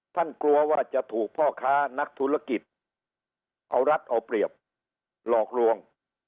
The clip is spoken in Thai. กลัวว่าจะถูกพ่อค้านักธุรกิจเอารัฐเอาเปรียบหลอกลวง